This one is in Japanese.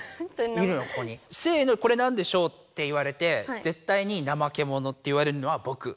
せので「これ何でしょう？」って言われてぜったいに「ナマケモノ」って言われるのはぼく。